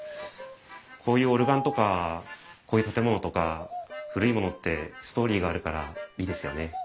こういうオルガンとかこういう建物とか古いものってストーリーがあるからいいですよね。